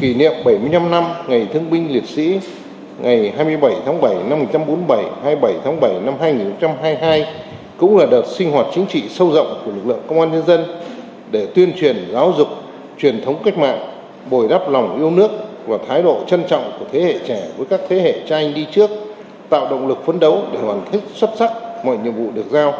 kỷ niệm bảy mươi năm năm ngày thương binh liệt sĩ ngày hai mươi bảy tháng bảy năm một nghìn chín trăm bốn mươi bảy hai mươi bảy tháng bảy năm hai nghìn hai mươi hai cũng là đợt sinh hoạt chính trị sâu rộng của lực lượng công an nhân dân để tuyên truyền giáo dục truyền thống cách mạng bồi đắp lòng yêu nước và thái độ trân trọng của thế hệ trẻ với các thế hệ trai đi trước tạo động lực phấn đấu để hoàn thiết xuất sắc mọi nhiệm vụ được giao